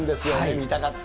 見たかった。